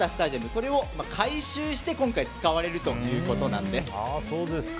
それを改修して、今回使われるということです。